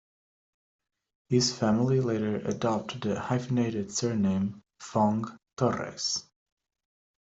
His family later adopted the hyphenated surname, "Fong-Torres".